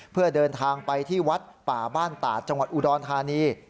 เพื่อเดินทางไปที่วัดป่าบ้านตาดจังหวัดอุดรธานี